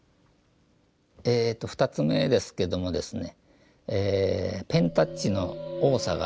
えっと２つ目ですけどもですね